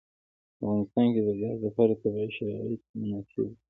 په افغانستان کې د ګاز لپاره طبیعي شرایط مناسب دي.